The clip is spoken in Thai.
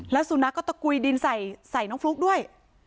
แล้วสุนัขก็ตะกุยดินใส่น้องฟลุ๊กด้วย